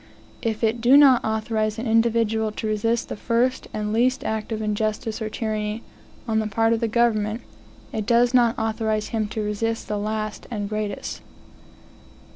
If it do not authorize an individual to resist the first and least act of injustice or tyranny, on the part of the government, it does not authorize him to resist the last and the greatest.